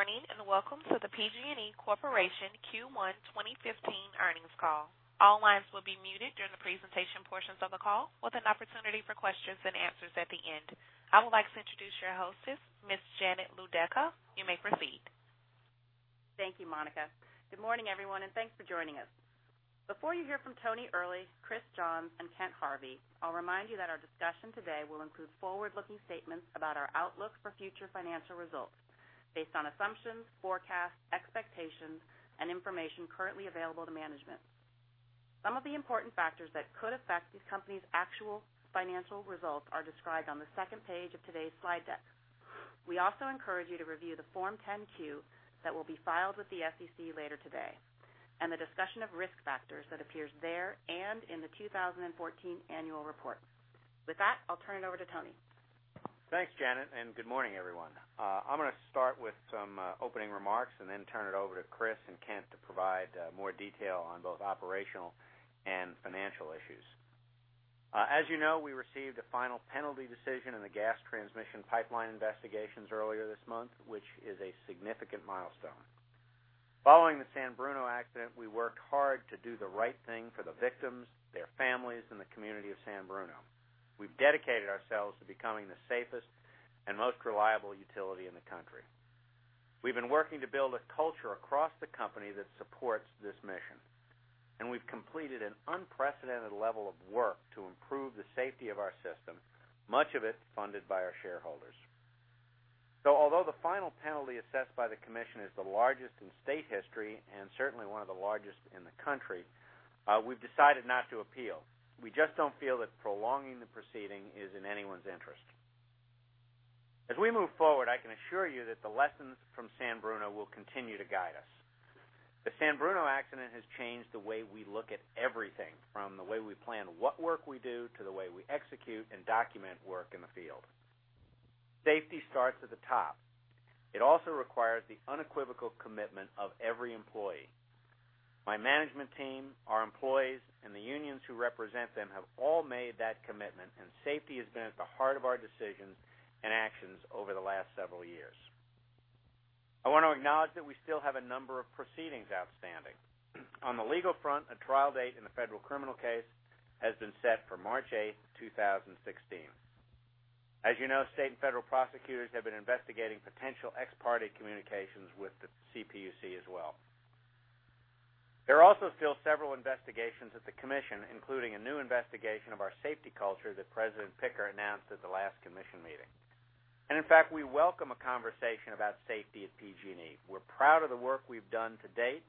Good morning, welcome to the PG&E Corporation Q1 2015 earnings call. All lines will be muted during the presentation portions of the call, with an opportunity for questions and answers at the end. I would like to introduce your hostess, Ms. Janet Loduca. You may proceed. Thank you, Monica. Good morning, everyone, thanks for joining us. Before you hear from Tony Earley, Chris Johns, and Kent Harvey, I'll remind you that our discussion today will include forward-looking statements about our outlook for future financial results based on assumptions, forecasts, expectations, and information currently available to management. Some of the important factors that could affect this company's actual financial results are described on the second page of today's slide deck. We also encourage you to review the Form 10-Q that will be filed with the SEC later today, and the discussion of risk factors that appears there and in the 2014 annual report. With that, I'll turn it over to Tony. Thanks, Janet, good morning, everyone. I'm going to start with some opening remarks and then turn it over to Chris and Kent to provide more detail on both operational and financial issues. As you know, we received a final penalty decision in the gas transmission pipeline investigations earlier this month, which is a significant milestone. Following the San Bruno accident, we worked hard to do the right thing for the victims, their families, and the community of San Bruno. We've dedicated ourselves to becoming the safest and most reliable utility in the country. We've been working to build a culture across the company that supports this mission, and we've completed an unprecedented level of work to improve the safety of our system, much of it funded by our shareholders. Although the final penalty assessed by the commission is the largest in state history and certainly one of the largest in the country, we've decided not to appeal. We just don't feel that prolonging the proceeding is in anyone's interest. As we move forward, I can assure you that the lessons from San Bruno will continue to guide us. The San Bruno accident has changed the way we look at everything from the way we plan what work we do to the way we execute and document work in the field. Safety starts at the top. It also requires the unequivocal commitment of every employee. My management team, our employees, and the unions who represent them have all made that commitment, and safety has been at the heart of our decisions and actions over the last several years. I want to acknowledge that we still have a number of proceedings outstanding. On the legal front, a trial date in the federal criminal case has been set for March 8, 2016. As you know, state and federal prosecutors have been investigating potential ex parte communications with the CPUC as well. There are also still several investigations at the commission, including a new investigation of our safety culture that President Picker announced at the last commission meeting. In fact, we welcome a conversation about safety at PG&E. We're proud of the work we've done to date,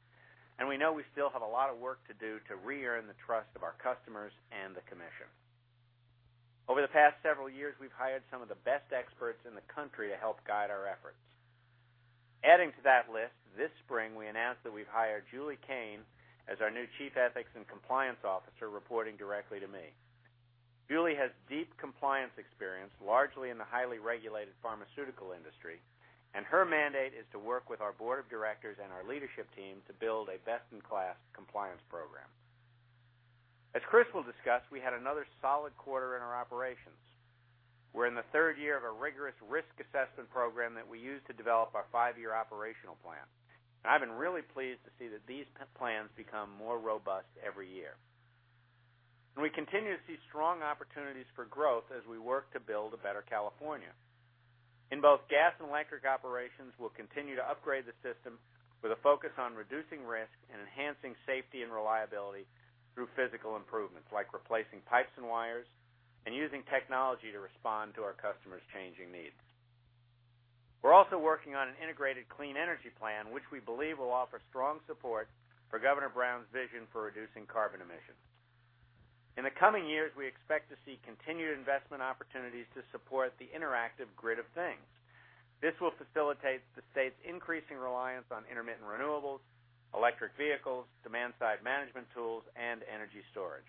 and we know we still have a lot of work to do to re-earn the trust of our customers and the commission. Over the past several years, we've hired some of the best experts in the country to help guide our efforts. Adding to that list, this spring, we announced that we've hired Julie Kane as our new chief ethics and compliance officer, reporting directly to me. Julie has deep compliance experience, largely in the highly regulated pharmaceutical industry, and her mandate is to work with our board of directors and our leadership team to build a best-in-class compliance program. As Chris will discuss, we had another solid quarter in our operations. We're in the third year of a rigorous risk assessment program that we use to develop our five-year operational plan. I've been really pleased to see that these plans become more robust every year. We continue to see strong opportunities for growth as we work to build a better California. In both gas and electric operations, we'll continue to upgrade the system with a focus on reducing risk and enhancing safety and reliability through physical improvements, like replacing pipes and wires and using technology to respond to our customers' changing needs. We're also working on an integrated clean energy plan, which we believe will offer strong support for Governor Brown's vision for reducing carbon emissions. In the coming years, we expect to see continued investment opportunities to support the interactive Grid of Things. This will facilitate the state's increasing reliance on intermittent renewables, electric vehicles, demand-side management tools, and energy storage.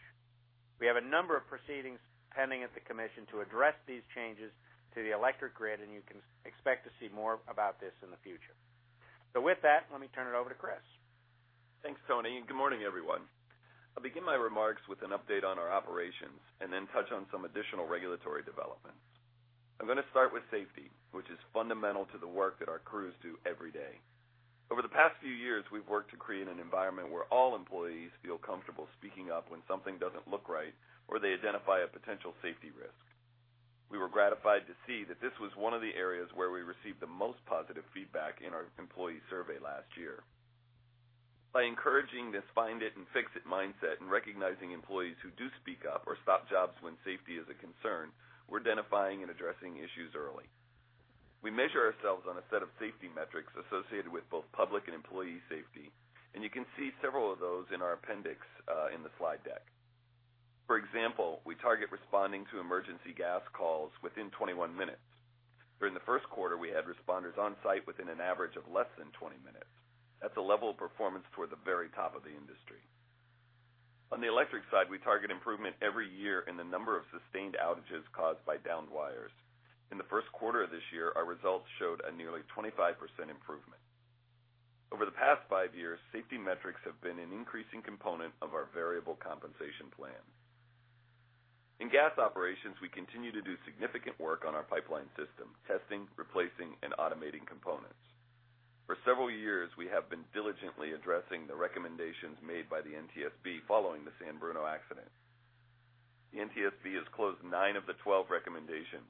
We have a number of proceedings pending at the commission to address these changes to the electric grid, and you can expect to see more about this in the future. With that, let me turn it over to Chris. Thanks, Tony, good morning, everyone. I'll begin my remarks with an update on our operations and then touch on some additional regulatory developments. I'm going to start with safety, which is fundamental to the work that our crews do every day. Over the past few years, we've worked to create an environment where all employees feel comfortable speaking up when something doesn't look right or they identify a potential safety risk. We were gratified to see that this was one of the areas where we received the most positive feedback in our employee survey last year. By encouraging this find it and fix it mindset and recognizing employees who do speak up or stop jobs when safety is a concern, we're identifying and addressing issues early. We measure ourselves on a set of safety metrics associated with both public and employee safety, and you can see several of those in our appendix in the slide deck. For example, we target responding to emergency gas calls within 21 minutes. During the first quarter, we had responders on-site within an average of less than 20 minutes. That's a level of performance toward the very top of the industry. On the electric side, we target improvement every year in the number of sustained outages caused by downed wires. In the first quarter of this year, our results showed a nearly 25% improvement. Over the past five years, safety metrics have been an increasing component of our variable compensation plan. In gas operations, we continue to do significant work on our pipeline system, testing, replacing, and automating components. For several years, we have been diligently addressing the recommendations made by the NTSB following the San Bruno accident. The NTSB has closed nine of the 12 recommendations.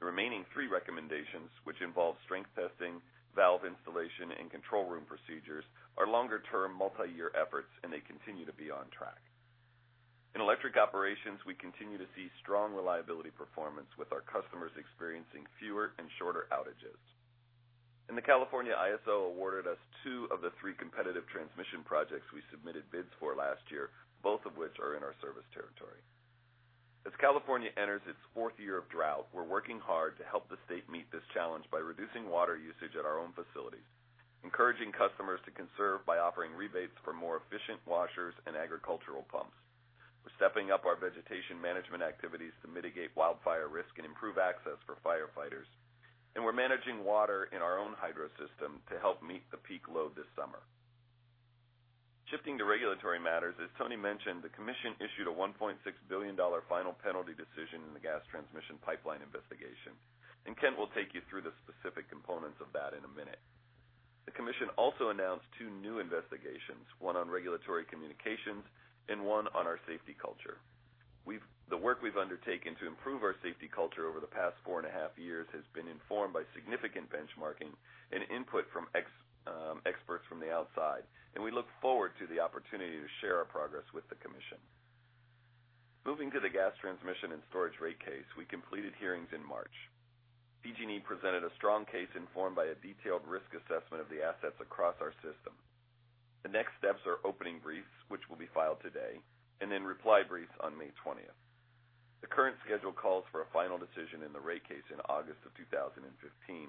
The remaining three recommendations, which involve strength testing, valve installation, and control room procedures, are longer-term, multi-year efforts, and they continue to be on track. In electric operations, we continue to see strong reliability performance, with our customers experiencing fewer and shorter outages. The California ISO awarded us two of the three competitive transmission projects we submitted bids for last year, both of which are in our service territory. As California enters its fourth year of drought, we're working hard to help the state meet this challenge by reducing water usage at our own facilities, encouraging customers to conserve by offering rebates for more efficient washers and agricultural pumps. We're stepping up our vegetation management activities to mitigate wildfire risk and improve access for firefighters. We're managing water in our own hydro system to help meet the peak load this summer. Shifting to regulatory matters, as Tony mentioned, the commission issued a $1.6 billion final penalty decision in the gas transmission pipeline investigation, and Kent will take you through the specific components of that in a minute. The commission also announced two new investigations, one on regulatory communications and one on our safety culture. The work we've undertaken to improve our safety culture over the past four and a half years has been informed by significant benchmarking and input from experts from the outside, and we look forward to the opportunity to share our progress with the commission. Moving to the Gas Transmission and Storage rate case, we completed hearings in March. PG&E presented a strong case informed by a detailed risk assessment of the assets across our system. The next steps are opening briefs, which will be filed today, and then reply briefs on May 20th. The current schedule calls for a final decision in the rate case in August of 2015,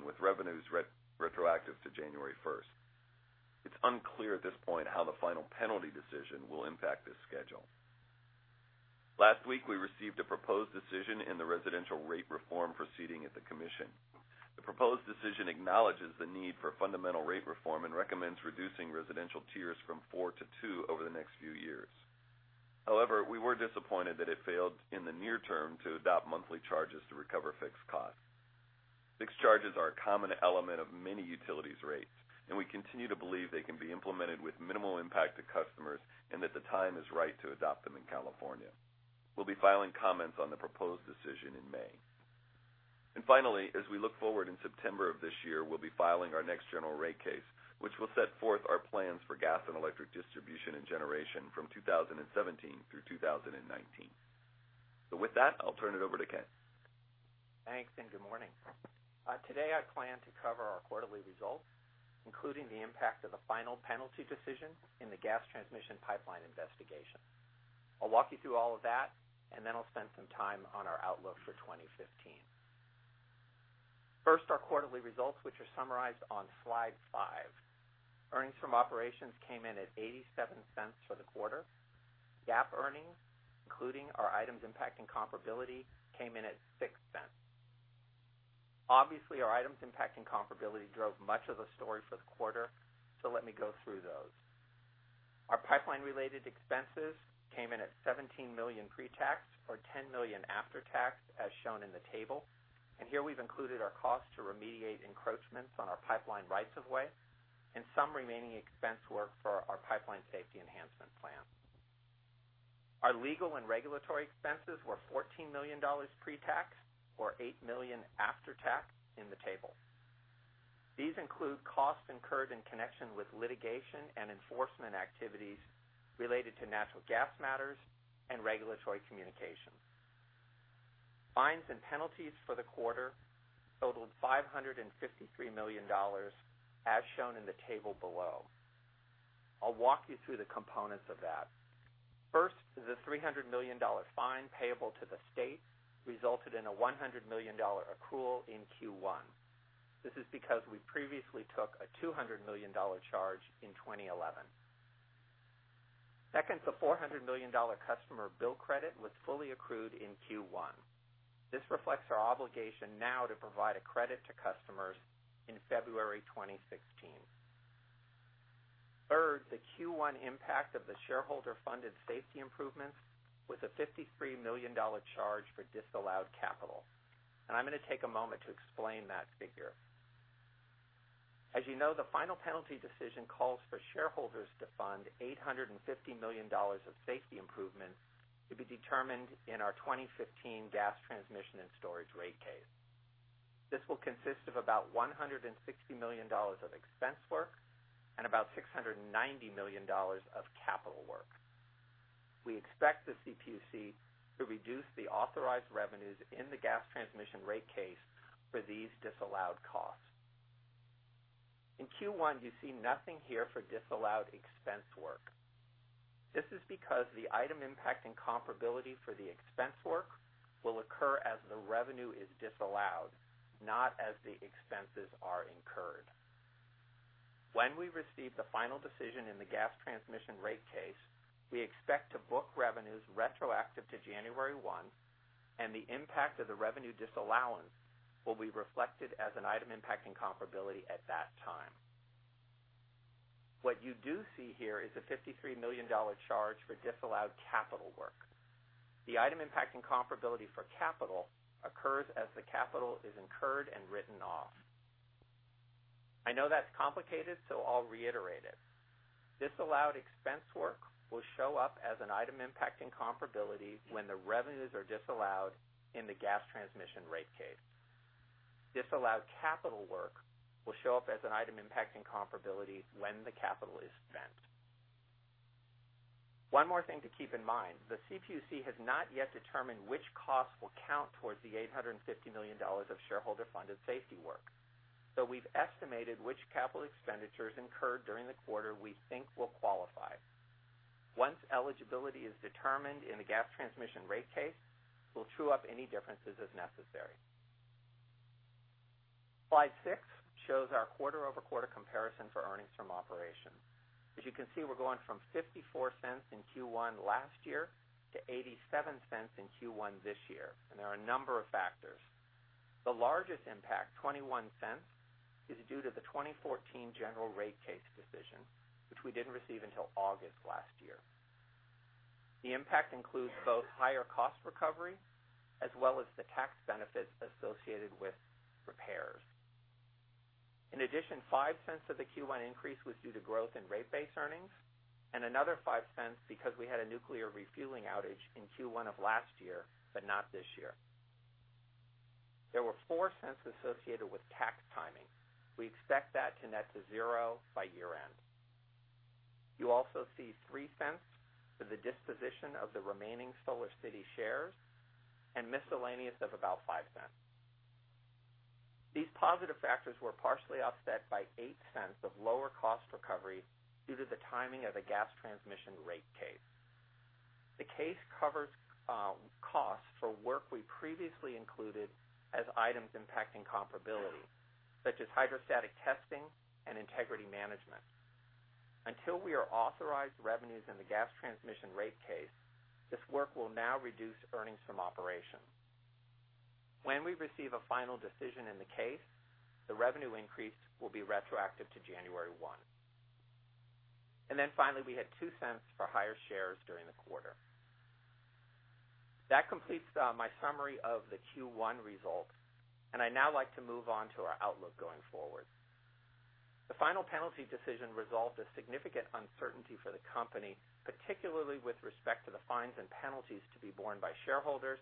with revenues retroactive to January 1st. It's unclear at this point how the final penalty decision will impact this schedule. Last week, we received a proposed decision in the residential rate reform proceeding at the commission. The proposed decision acknowledges the need for fundamental rate reform and recommends reducing residential tiers from four to two over the next few years. However, we were disappointed that it failed in the near term to adopt monthly charges to recover fixed costs. Fixed charges are a common element of many utilities rates, and we continue to believe they can be implemented with minimal impact to customers and that the time is right to adopt them in California. We'll be filing comments on the proposed decision in May. Finally, as we look forward, in September of this year, we'll be filing our next general rate case, which will set forth our plans for gas and electric distribution and generation from 2017 through 2019. With that, I'll turn it over to Kent. Thanks, and good morning. Today, I plan to cover our quarterly results, including the impact of the final penalty decision in the gas transmission pipeline investigation. I'll walk you through all of that, and then I'll spend some time on our outlook for 2015. First, our quarterly results, which are summarized on slide five. Earnings from operations came in at $0.87 for the quarter. GAAP earnings, including our items impacting comparability, came in at $0.06. Obviously, our items impacting comparability drove much of the story for the quarter, so let me go through those. Our pipeline-related expenses came in at $17 million pre-tax or $10 million after tax, as shown in the table. Here we've included our cost to remediate encroachments on our pipeline rights of way and some remaining expense work for our Pipeline Safety Enhancement Plan. Our legal and regulatory expenses were $14 million pre-tax or $8 million after tax in the table. These include costs incurred in connection with litigation and enforcement activities related to natural gas matters and regulatory communications. Fines and penalties for the quarter totaled $553 million, as shown in the table below. I'll walk you through the components of that. First is a $300 million fine payable to the state, resulted in a $100 million accrual in Q1. This is because we previously took a $200 million charge in 2011. Second, the $400 million customer bill credit was fully accrued in Q1. This reflects our obligation now to provide a credit to customers in February 2016. Third, the Q1 impact of the shareholder-funded safety improvements was a $53 million charge for disallowed capital. I'm going to take a moment to explain that figure. As you know, the final penalty decision calls for shareholders to fund $850 million of safety improvements to be determined in our 2015 gas transmission and storage rate case. This will consist of about $160 million of expense work and about $690 million of capital work. We expect the CPUC to reduce the authorized revenues in the gas transmission rate case for these disallowed costs. In Q1, you see nothing here for disallowed expense work. This is because the item impacting comparability for the expense work will occur as the revenue is disallowed, not as the expenses are incurred. When we receive the final decision in the gas transmission rate case, we expect to book revenues retroactive to January 1, and the impact of the revenue disallowance will be reflected as an item impacting comparability at that time. What you do see here is a $53 million charge for disallowed capital work. The item impacting comparability for capital occurs as the capital is incurred and written off. I know that's complicated. I'll reiterate it. Disallowed expense work will show up as an item impacting comparability when the revenues are disallowed in the gas transmission rate case. Disallowed capital work will show up as an item impacting comparability when the capital is spent. One more thing to keep in mind. The CPUC has not yet determined which costs will count towards the $850 million of shareholder-funded safety work. We've estimated which capital expenditures incurred during the quarter we think will qualify. Once eligibility is determined in the gas transmission rate case, we'll true up any differences as necessary. Slide six shows our quarter-over-quarter comparison for earnings from operations. As you can see, we're going from $0.54 in Q1 last year to $0.87 in Q1 this year. There are a number of factors. The largest impact, $0.21, is due to the 2014 general rate case decision, which we didn't receive until August last year. The impact includes both higher cost recovery as well as the tax benefits associated with repairs. In addition, $0.05 of the Q1 increase was due to growth in rate base earnings, and another $0.05 because we had a nuclear refueling outage in Q1 of last year, but not this year. There were $0.04 associated with tax timing. We expect that to net to zero by year-end. You also see $0.03 for the disposition of the remaining SolarCity shares and miscellaneous of about $0.05. These positive factors were partially offset by $0.08 of lower cost recovery due to the timing of the gas transmission rate case. The case covers costs for work we previously included as items impacting comparability, such as hydrostatic testing and integrity management. Until we are authorized revenues in the gas transmission rate case, this work will now reduce earnings from operations. When we receive a final decision in the case, the revenue increase will be retroactive to January 1. Finally, we had $0.02 for higher shares during the quarter. That completes my summary of the Q1 results. I'd now like to move on to our outlook going forward. The final penalty decision resolved a significant uncertainty for the company, particularly with respect to the fines and penalties to be borne by shareholders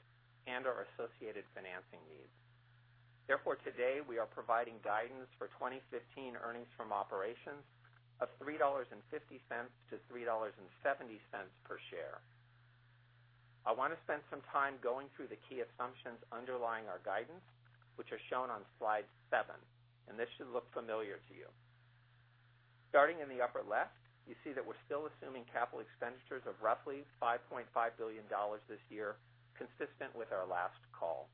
and our associated financing needs. Therefore, today we are providing guidance for 2015 earnings from operations of $3.50 to $3.70 per share. I want to spend some time going through the key assumptions underlying our guidance, which are shown on slide seven. This should look familiar to you. Starting in the upper left, you see that we're still assuming capital expenditures of roughly $5.5 billion this year, consistent with our last call.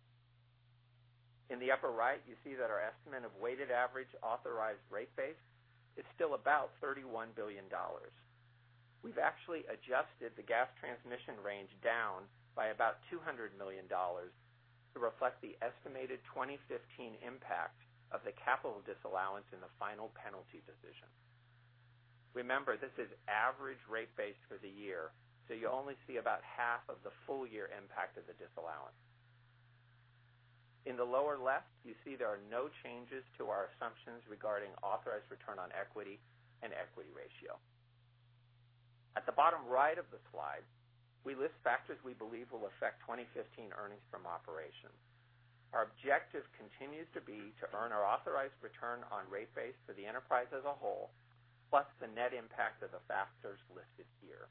In the upper right, you see that our estimate of weighted average authorized rate base is still about $31 billion. We've actually adjusted the gas transmission range down by about $200 million to reflect the estimated 2015 impact of the capital disallowance in the final penalty decision. Remember, this is average rate base for the year. You only see about half of the full-year impact of the disallowance. In the lower left, you see there are no changes to our assumptions regarding authorized return on equity and equity ratio. At the bottom right of the slide, we list factors we believe will affect 2015 earnings from operations. Our objective continues to be to earn our authorized return on rate base for the enterprise as a whole, plus the net impact of the factors listed here.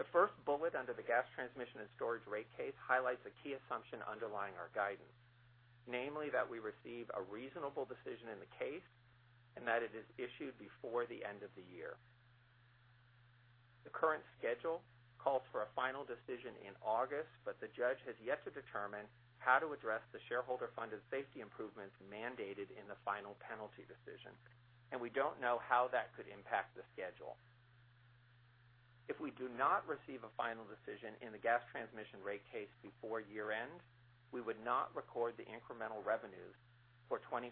The first bullet under the Gas Transmission and Storage rate case highlights a key assumption underlying our guidance. Namely that we receive a reasonable decision in the case and that it is issued before the end of the year. The current schedule calls for a final decision in August, but the judge has yet to determine how to address the shareholder-funded safety improvements mandated in the Final Penalty Decision, and we don't know how that could impact the schedule. If we do not receive a final decision in the Gas Transmission rate case before year-end, we would not record the incremental revenues for 2015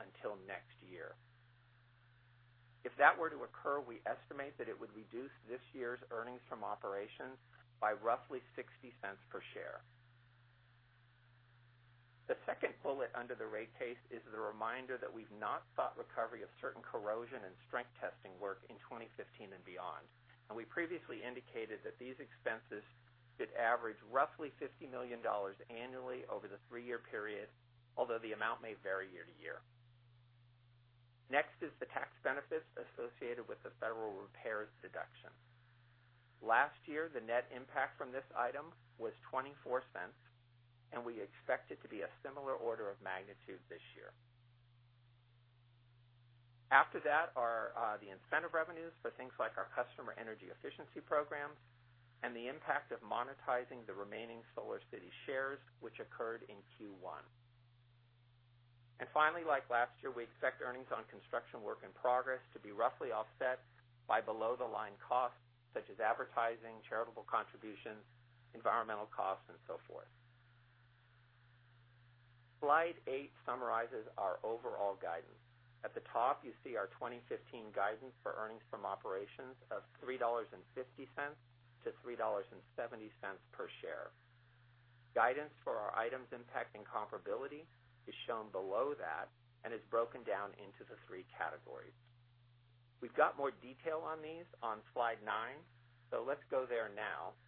until next year. If that were to occur, we estimate that it would reduce this year's earnings from operations by roughly $0.60 per share. The second bullet under the rate case is the reminder that we've not sought recovery of certain corrosion and strength testing work in 2015 and beyond, and we previously indicated that these expenses should average roughly $50 million annually over the three-year period, although the amount may vary year to year. Next is the tax benefits associated with the federal repairs deduction. Last year, the net impact from this item was $0.24, and we expect it to be a similar order of magnitude this year. After that are the incentive revenues for things like our customer energy efficiency programs and the impact of monetizing the remaining SolarCity shares, which occurred in Q1. Finally, like last year, we expect earnings on construction work in progress to be roughly offset by below-the-line costs such as advertising, charitable contributions, environmental costs, and so forth. Slide eight summarizes our overall guidance. At the top, you see our 2015 guidance for earnings from operations of $3.50-$3.70 per share. Guidance for our items impacting comparability is shown below that and is broken down into the 3 categories. We've got more detail on these on slide nine, so let's go there now,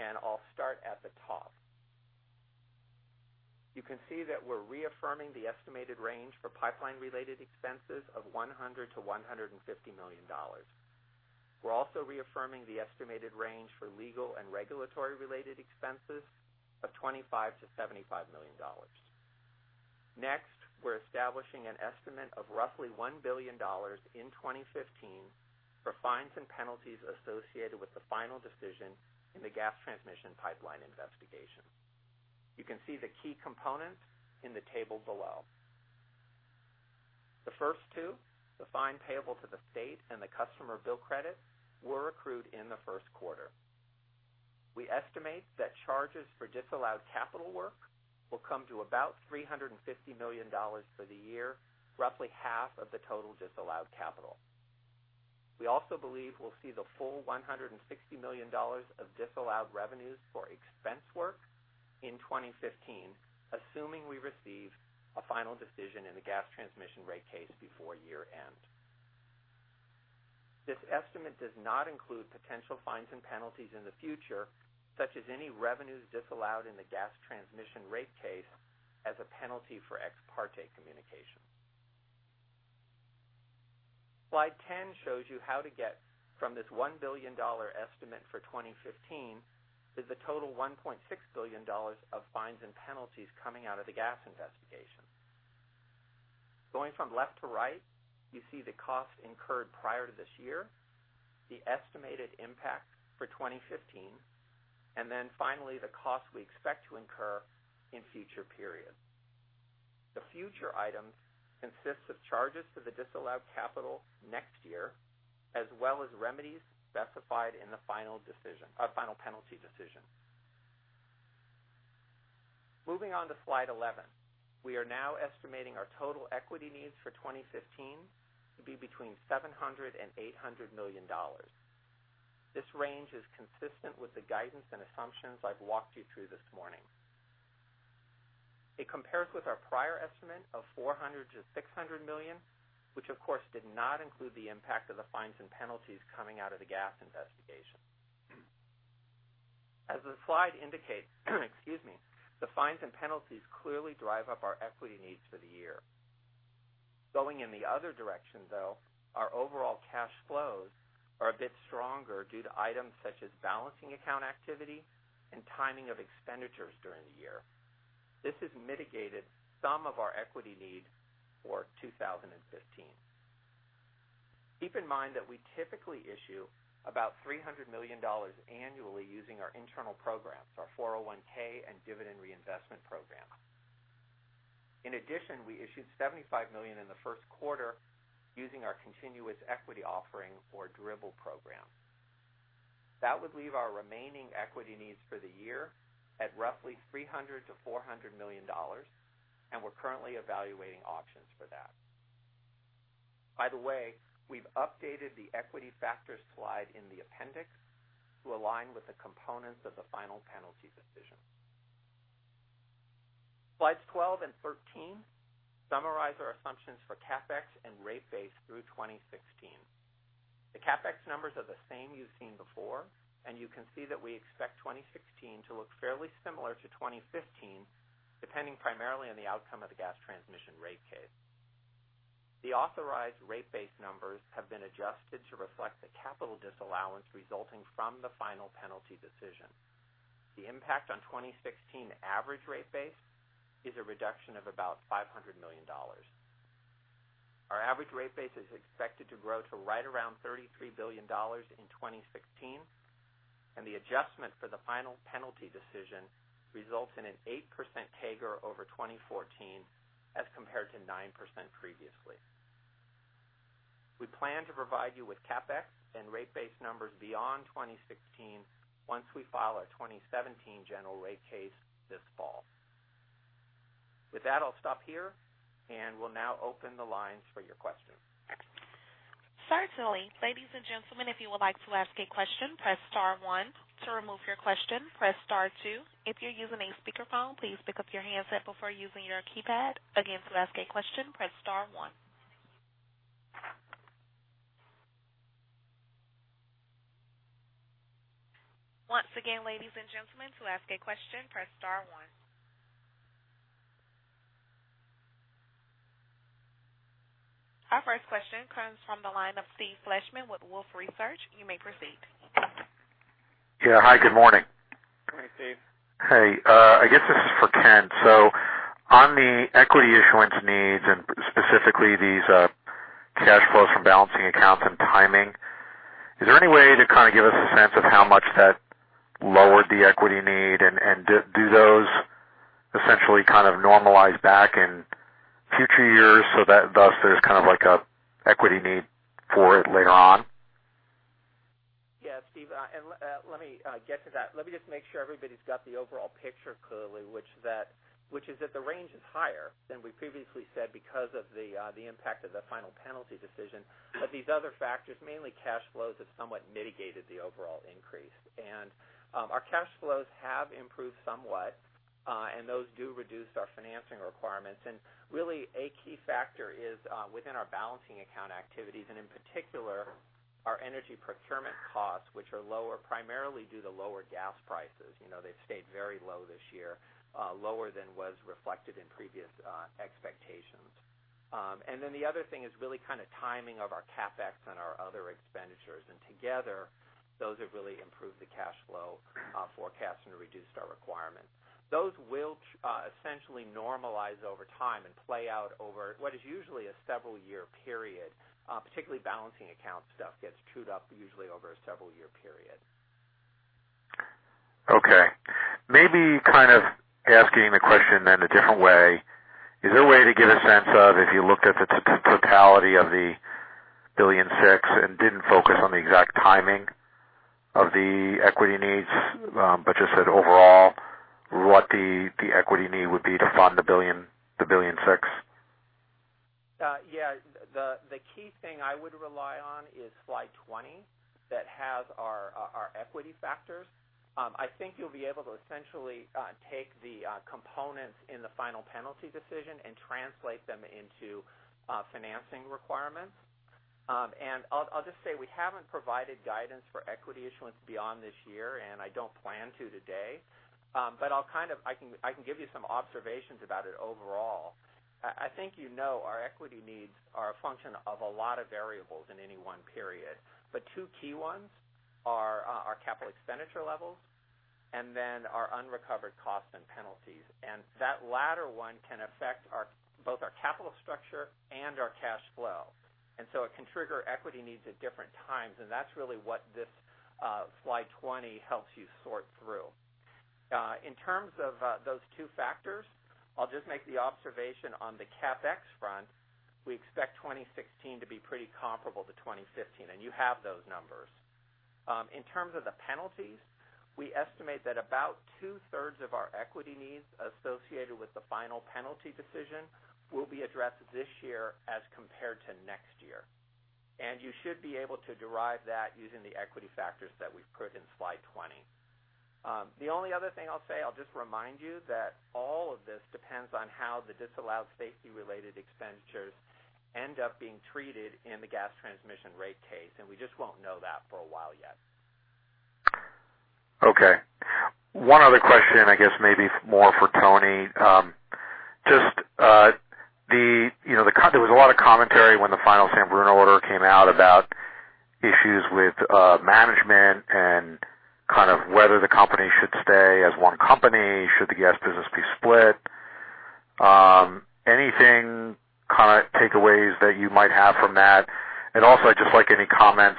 and I'll start at the top. You can see that we're reaffirming the estimated range for pipeline-related expenses of $100 million-$150 million. We're also reaffirming the estimated range for legal and regulatory-related expenses of $25 million-$75 million. Next, we're establishing an estimate of roughly $1 billion in 2015 for fines and penalties associated with the final decision in the Gas Transmission Pipeline Investigation. You can see the key components in the table below. The first two, the fine payable to the state and the customer bill credit, were accrued in the first quarter. We estimate that charges for disallowed capital work will come to about $350 million for the year, roughly half of the total disallowed capital. We also believe we'll see the full $160 million of disallowed revenues for expense work in 2015, assuming we receive a final decision in the Gas Transmission rate case before year-end. This estimate does not include potential fines and penalties in the future, such as any revenues disallowed in the gas transmission rate case as a penalty for ex parte communication. Slide 10 shows you how to get from this $1 billion estimate for 2015 to the total $1.6 billion of fines and penalties coming out of the gas investigation. Going from left to right, you see the cost incurred prior to this year, the estimated impact for 2015, and finally, the cost we expect to incur in future periods. The future items consist of charges for the disallowed capital next year, as well as remedies specified in the final penalty decision. Moving on to slide 11. We are now estimating our total equity needs for 2015 to be between $700 million and $800 million. This range is consistent with the guidance and assumptions I've walked you through this morning. It compares with our prior estimate of $400 million to $600 million, which of course did not include the impact of the fines and penalties coming out of the gas investigation. As the slide indicates, the fines and penalties clearly drive up our equity needs for the year. Going in the other direction, though, our overall cash flows are a bit stronger due to items such as balancing account activity and timing of expenditures during the year. This has mitigated some of our equity need for 2015. Keep in mind that we typically issue about $300 million annually using our internal programs, our 401(k) and Dividend Reinvestment Plan. In addition, we issued $75 million in the first quarter using our continuous equity offering or DRIP program. That would leave our remaining equity needs for the year at roughly $300 million to $400 million. We're currently evaluating options for that. By the way, we've updated the equity factors slide in the appendix to align with the components of the final penalty decision. Slides 12 and 13 summarize our assumptions for CapEx and rate base through 2016. The CapEx numbers are the same you've seen before. You can see that we expect 2016 to look fairly similar to 2015, depending primarily on the outcome of the gas transmission rate case. The authorized rate base numbers have been adjusted to reflect the capital disallowance resulting from the final penalty decision. The impact on 2016 average rate base is a reduction of about $500 million. Our average rate base is expected to grow to right around $33 billion in 2016. The adjustment for the final penalty decision results in an 8% CAGR over 2014 as compared to 9% previously. We plan to provide you with CapEx and rate base numbers beyond 2016 once we file our 2017 general rate case this fall. With that, I'll stop here. We'll now open the lines for your questions. Certainly. Ladies and gentlemen, if you would like to ask a question, press star one. To remove your question, press star two. If you're using a speakerphone, please pick up your handset before using your keypad. Again, to ask a question, press star one. Once again, ladies and gentlemen, to ask a question, press star one. Our first question comes from the line of Steve Fleishman with Wolfe Research. You may proceed. Yeah. Hi, good morning. Good morning, Steve. Hey. I guess this is for Kent. On the equity issuance needs, and specifically these cash flows from balancing accounts and timing, is there any way to kind of give us a sense of how much that lowered the equity need? And do those essentially kind of normalize back in future years so thus there's kind of like an equity need for it later on? Yeah, Steve, let me get to that. Let me just make sure everybody's got the overall picture clearly, which is that the range is higher than we previously said because of the impact of the final penalty decision. These other factors, mainly cash flows, have somewhat mitigated the overall increase. Our cash flows have improved somewhat, and those do reduce our financing requirements. Really, a key factor is within our balancing account activities, and in particular, our energy procurement costs, which are lower primarily due to lower gas prices. They've stayed very low this year, lower than was reflected in previous expectations. The other thing is really kind of timing of our CapEx and our other expenditures. Together, those have really improved the cash flow forecast and reduced our requirements. Those will essentially normalize over time and play out over what is usually a several-year period. Particularly balancing account stuff gets chewed up usually over a several-year period. Okay. Maybe kind of asking the question in a different way. Is there a way to get a sense of if you looked at the totality of the billion six and didn't focus on the exact timing of the equity needs, but just said overall what the equity need would be to fund the billion six? Yeah. The key thing I would rely on is slide 20 that has our equity factors. I think you'll be able to essentially take the components in the final penalty decision and translate them into financing requirements. I'll just say we haven't provided guidance for equity issuance beyond this year, and I don't plan to today. I can give you some observations about it overall. I think you know our equity needs are a function of a lot of variables in any one period. Two key ones are our capital expenditure levels and then our unrecovered costs and penalties. That latter one can affect both our capital structure and our cash flow. It can trigger equity needs at different times, and that's really what this slide 20 helps you sort through. In terms of those two factors, I'll just make the observation on the CapEx front, we expect 2016 to be pretty comparable to 2015, and you have those numbers. In terms of the penalties, we estimate that about two-thirds of our equity needs associated with the final penalty decision will be addressed this year as compared to next year. You should be able to derive that using the equity factors that we've put in slide 20. The only other thing I'll say, I'll just remind you that all of this depends on how the disallowed safety-related expenditures end up being treated in the gas transmission rate case, and we just won't know that for a while yet. Okay. One other question, I guess maybe more for Tony. There was a lot of commentary when the final San Bruno order came out about issues with management and kind of whether the company should stay as one company. Should the gas business be split? Anything kind of takeaways that you might have from that? Also, I'd just like any comments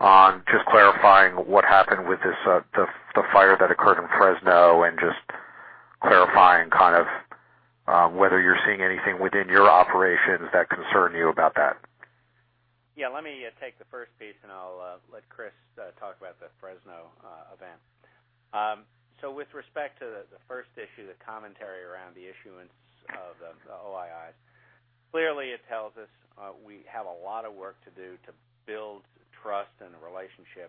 on just clarifying what happened with the fire that occurred in Fresno and just clarifying kind of whether you're seeing anything within your operations that concern you about that. Yeah, let me take the first piece, and I'll let Chris talk about the Fresno event. With respect to the first issue, the commentary around the issuance of the OIIs. Clearly, it tells us we have a lot of work to do to build trust and a relationship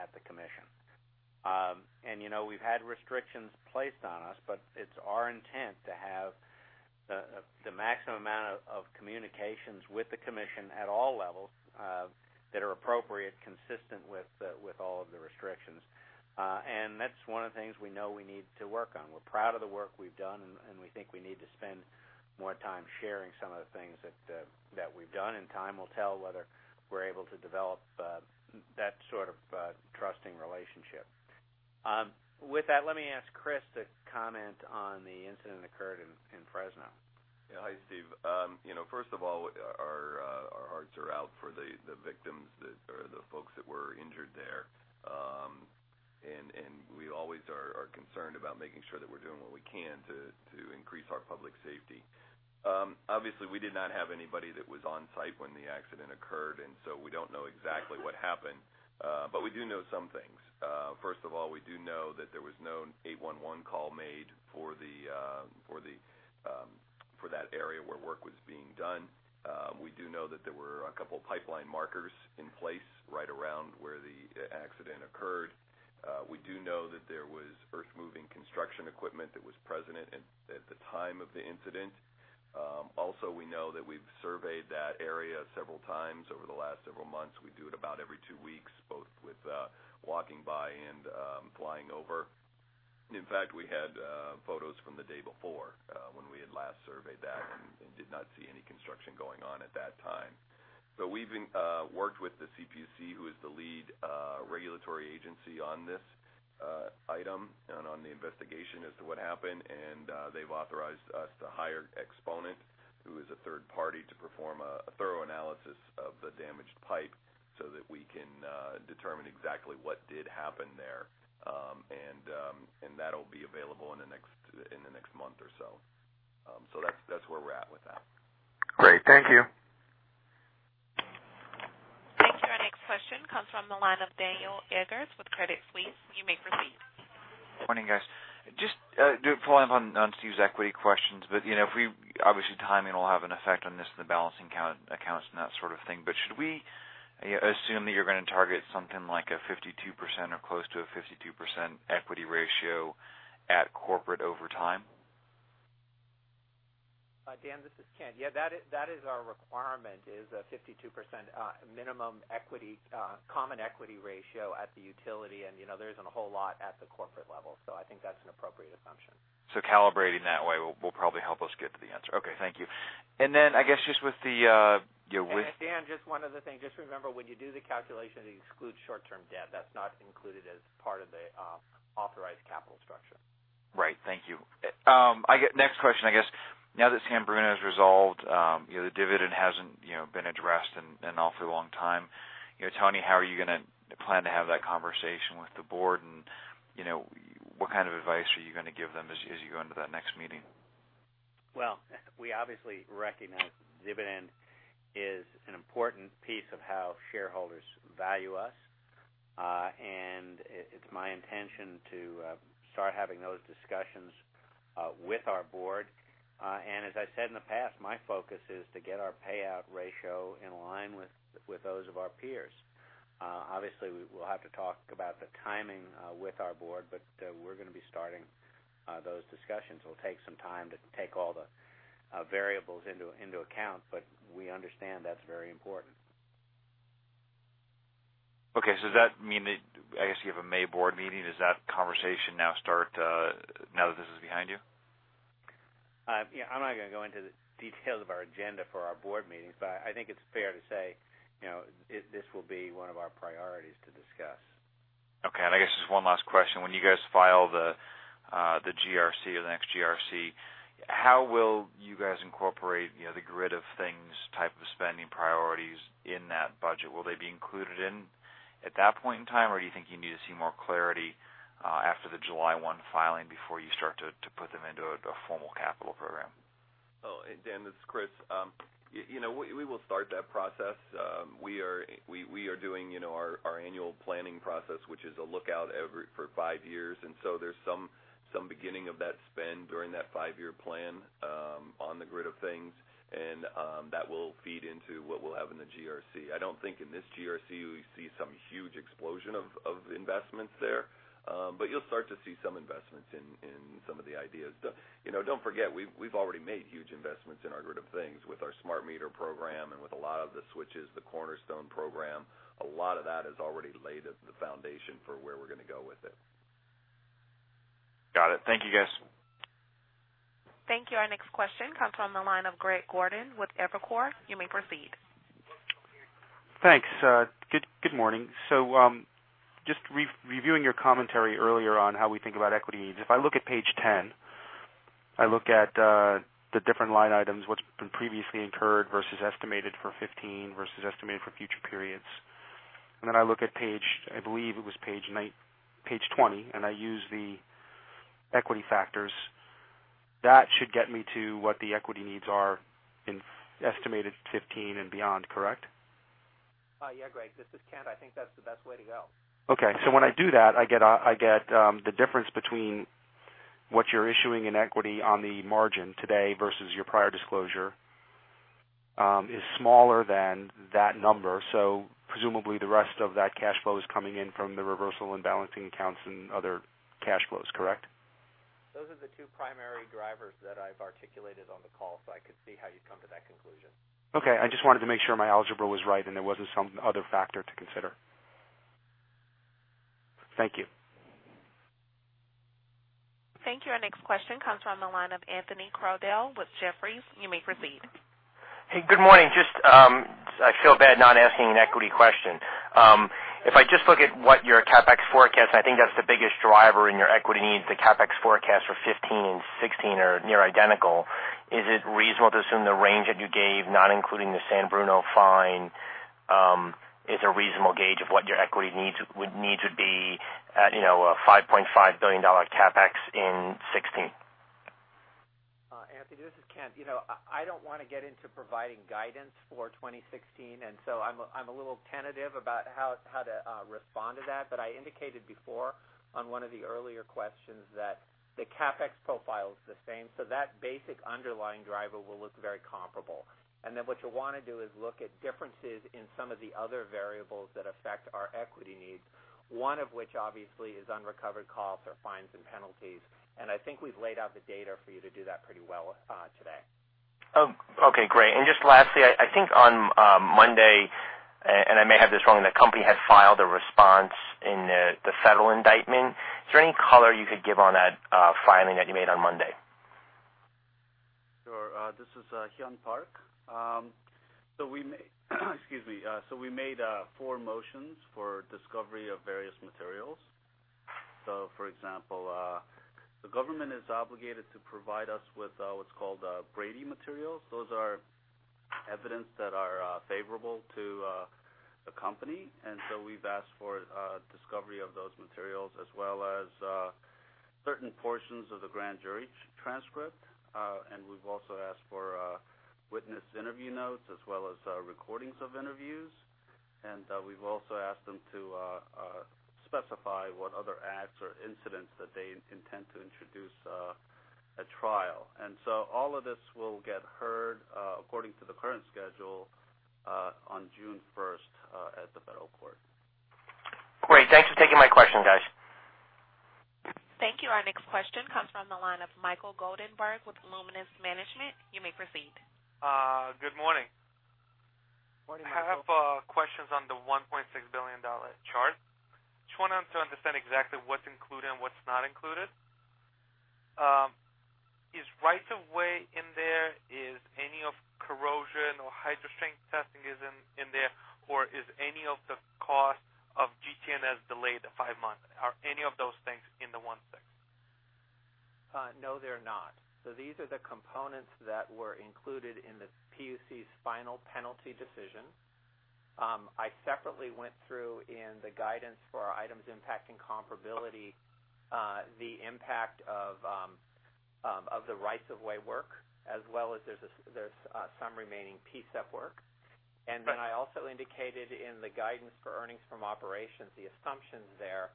at the commission. We've had restrictions placed on us, but it's our intent to have the maximum amount of communications with the commission at all levels that are appropriate, consistent with all of the restrictions. That's one of the things we know we need to work on. We're proud of the work we've done, and we think we need to spend more time sharing some of the things that we've done, and time will tell whether we're able to develop that sort of trusting relationship. With that, let me ask Chris to comment on the incident occurred in Fresno. Yeah. Hi, Steve. First of all, our hearts are out for the victims or the folks that were injured there. We always are concerned about making sure that we're doing what we can to increase our public safety. Obviously, we did not have anybody that was on site when the accident occurred, and so we don't know exactly what happened. We do know some things. First of all, we do know that there was no 811 call made for that area where work was being done. We do know that there were a couple pipeline markers in place right around where the accident occurred. We do know that there was earth-moving construction equipment that was present at the time of the incident. Also, we know that we've surveyed that area several times over the last several months. We do it about every two weeks, both with walking by and flying over. In fact, we had photos from the day before when we had last surveyed that and did not see any construction going on at that time. We've worked with the CPUC, who is the lead regulatory agency on this item and on the investigation as to what happened. They've authorized us to hire Exponent, who is a third party, to perform a thorough analysis of the damaged pipe so that we can determine exactly what did happen there. That'll be available in the next month or so. That's where we're at with that. Great. Thank you. Thank you. Our next question comes from the line of Daniel Eggers with Credit Suisse. You may proceed. Morning, guys. Just to follow up on Steve's equity questions, obviously timing will have an effect on this and the balancing accounts and that sort of thing. Should we assume that you're going to target something like a 52% or close to a 52% equity ratio at corporate over time? Dan, this is Kent. Yeah, that is our requirement, is a 52% minimum common equity ratio at the utility, and there isn't a whole lot at the corporate level. I think that's an appropriate assumption. Calibrating that way will probably help us get to the answer. Okay. Thank you. Dan, just one other thing. Just remember, when you do the calculation, you exclude short-term debt. That's not included as part of the authorized capital structure. Right. Thank you. Next question, I guess now that San Bruno is resolved, the dividend hasn't been addressed in an awfully long time. Tony, how are you going to plan to have that conversation with the board, and what kind of advice are you going to give them as you go into that next meeting? Well, we obviously recognize dividend is an important piece of how shareholders value us. It's my intention to start having those discussions with our board. As I said in the past, my focus is to get our payout ratio in line with those of our peers. Obviously, we'll have to talk about the timing with our board, but we're going to be starting those discussions. It'll take some time to take all the variables into account. We understand that's very important. Okay. Does that mean that, I guess you have a May board meeting? Does that conversation now start now that this is behind you? I'm not going to go into the details of our agenda for our board meetings, but I think it's fair to say this will be one of our priorities to discuss. Okay. I guess just one last question. When you guys file the next GRC, how will you guys incorporate the Grid of Things type of spending priorities in that budget? Will they be included in at that point in time, or do you think you need to see more clarity after the July 1 filing before you start to put them into a formal capital program? Dan, this is Chris. We will start that process. We are doing our annual planning process, which is a lookout for 5 years. There's some beginning of that spend during that 5-year plan on the Grid of Things, and that will feed into what we'll have in the GRC. I don't think in this GRC, we see some huge explosion of investments there. You'll start to see some investments in some of the ideas. Don't forget, we've already made huge investments in our Grid of Things with our smart meter program and with a lot of the switches, the Cornerstone Program. A lot of that has already laid the foundation for where we're going to go with it. Got it. Thank you, guys. Thank you. Our next question comes from the line of Greg Gordon with Evercore. You may proceed. Thanks. Good morning. Just reviewing your commentary earlier on how we think about equity needs. If I look at page 10, I look at the different line items, what's been previously incurred versus estimated for 2015 versus estimated for future periods. Then I look at page, I believe it was page 20, and I use the equity factors. That should get me to what the equity needs are in estimated 2015 and beyond, correct? Greg, this is Kent. I think that's the best way to go. When I do that, I get the difference between what you're issuing in equity on the margin today versus your prior disclosure is smaller than that number. Presumably the rest of that cash flow is coming in from the reversal and balancing accounts and other cash flows, correct? Those are the two primary drivers that I've articulated on the call, so I could see how you'd come to that conclusion. I just wanted to make sure my algebra was right and there wasn't some other factor to consider. Thank you. Thank you. Our next question comes from the line of Anthony Crowdell with Jefferies. You may proceed. Hey, good morning. I feel bad not asking an equity question. If I just look at what your CapEx forecast, I think that's the biggest driver in your equity needs. The CapEx forecast for 2015 and 2016 are near identical. Is it reasonable to assume the range that you gave, not including the San Bruno fine, is a reasonable gauge of what your equity needs would need to be at a $5.5 billion CapEx in 2016? Anthony, this is Kent. I don't want to get into providing guidance for 2016. I'm a little tentative about how to respond to that. I indicated before on one of the earlier questions that the CapEx profile is the same. That basic underlying driver will look very comparable. Then what you'll want to do is look at differences in some of the other variables that affect our equity needs, one of which obviously is unrecovered costs or fines and penalties. I think we've laid out the data for you to do that pretty well today. Okay, great. Just lastly, I think on Monday, I may have this wrong, the company had filed a response in the federal indictment. Is there any color you could give on that filing that you made on Monday? Sure. This is Hyun Park. Excuse me. We made four motions for discovery of various materials. For example, the government is obligated to provide us with what's called Brady materials. Those are evidence that are favorable to the company. We've asked for discovery of those materials as well as certain portions of the grand jury transcript. We've also asked for witness interview notes as well as recordings of interviews. We've also asked them to specify what other acts or incidents that they intend to introduce at trial. All of this will get heard, according to the current schedule, on June 1st at the federal court. Great. Thanks for taking my question, guys. Thank you. Our next question comes from the line of Michael Goldenberg with Luminus Management. You may proceed. Good morning. Morning, Michael. I have questions on the $1.6 billion chart. Wanted to understand exactly what's included and what's not included. Is rights of way in there? Is any of corrosion or hydrostatic testing in there? Is any of the cost of GT&S delayed to five months? Are any of those things in the 1.6? No, they're not. These are the components that were included in the CPUC's final penalty decision. I separately went through in the guidance for our items impacting comparability, the impact of the rights of way work as well as there's some remaining PSEP work. Right. I also indicated in the guidance for earnings from operations, the assumptions there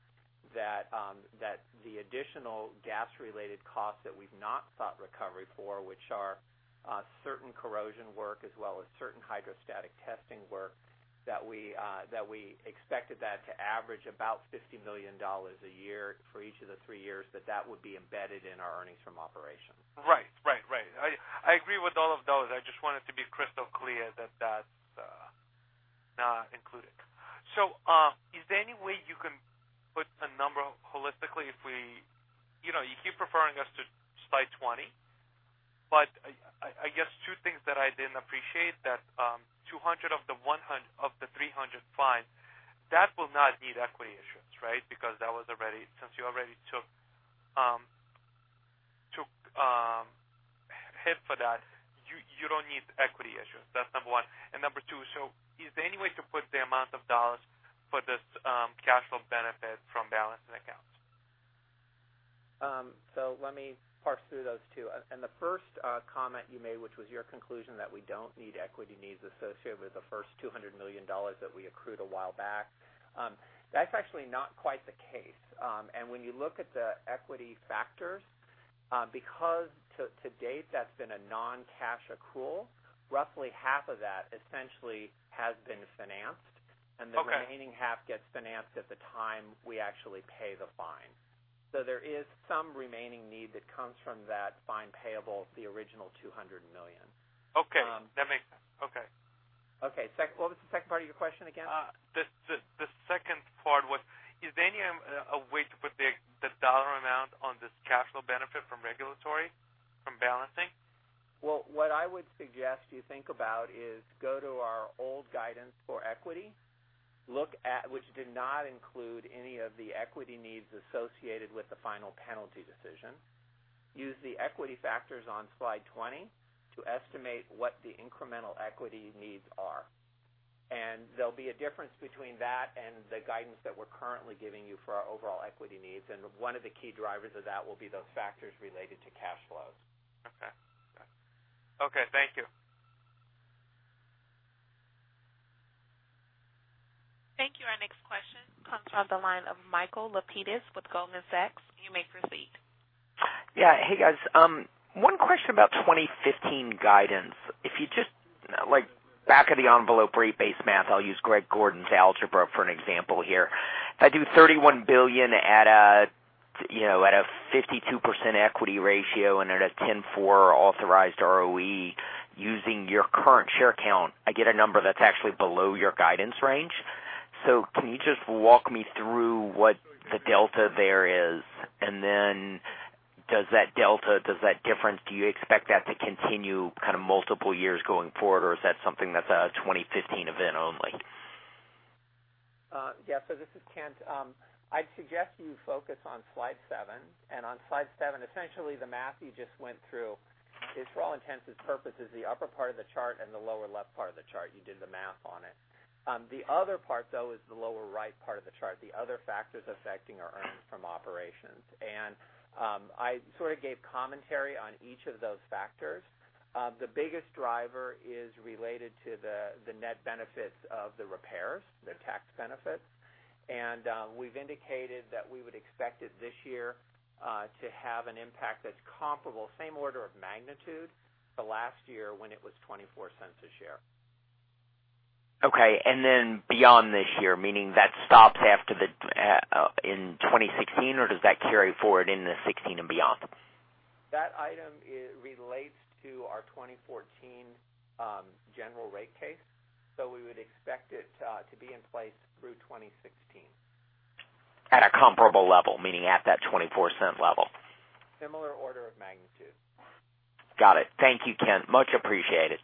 that the additional gas-related costs that we've not sought recovery for, which are certain corrosion work as well as certain hydrostatic testing work, that we expected that to average about $50 million a year for each of the three years, that that would be embedded in our earnings from operations. Right. I agree with all of those. I just wanted to be crystal clear that that's not included. Is there any way you can put a number holistically if we keep referring us to slide 20, but I guess two things that I didn't appreciate, that 200 of the 300 fine, that will not need equity issuance, right? Because since you already took hit for that, you don't need equity issuance. That's number one. Number two, is there any way to put the amount of dollars for this cash flow benefit from balancing accounts? Let me parse through those two. The first comment you made, which was your conclusion that we don't need equity needs associated with the first $200 million that we accrued a while back. That's actually not quite the case. When you look at the equity factors, because to date, that's been a non-cash accrual, roughly half of that essentially has been financed. Okay. The remaining half gets financed at the time we actually pay the fine. There is some remaining need that comes from that fine payable, the original $200 million. Okay. That makes sense. Okay. Okay. What was the second part of your question again? The second part was, is there any way to put the dollar amount on this cash flow benefit from regulatory, from balancing? Well, what I would suggest you think about is go to our old guidance for equity, which did not include any of the equity needs associated with the final penalty decision. Use the equity factors on slide 20 to estimate what the incremental equity needs are. There'll be a difference between that and the guidance that we're currently giving you for our overall equity needs. One of the key drivers of that will be those factors related to cash flows. Okay. Thank you. Thank you. Our next question comes from the line of Michael Lapidus with Goldman Sachs. You may proceed. Yeah. Hey, guys. One question about 2015 guidance. If you just back of the envelope rate base math, I'll use Greg Gordon's algebra for an example here. If I do $31 billion at a 52% equity ratio and at a 10.4% authorized ROE using your current share count, I get a number that's actually below your guidance range. Can you just walk me through what the delta there is? Then does that delta, does that difference, do you expect that to continue kind of multiple years going forward? Or is that something that's a 2015 event only? Yeah. This is Kent. I'd suggest you focus on slide seven. On slide seven, essentially the math you just went through is, for all intents and purposes, the upper part of the chart and the lower left part of the chart. You did the math on it. The other part, though, is the lower right part of the chart, the other factors affecting our earnings from operations. I sort of gave commentary on each of those factors. The biggest driver is related to the net benefits of the repairs, the tax benefits. We've indicated that we would expect it this year to have an impact that's comparable, same order of magnitude to last year when it was $0.24 a share. Okay. Then beyond this year, meaning that stops in 2016? Does that carry forward into 2016 and beyond? That item relates to our 2014 general rate case, we would expect it to be in place through 2016. At a comparable level, meaning at that $0.24 level? Similar order of magnitude. Got it. Thank you, Kent. Much appreciated.